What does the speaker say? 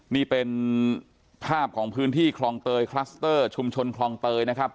นี่เป็นภาพของพื้นที่คลองเตยคลัสเตอร์ชุมชนคลองเตยนะครับ